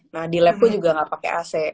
nah di lab gue juga gak pake ac